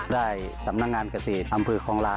ได้สำนักงานเกษตรลงความพืช๗๘ตัวของลา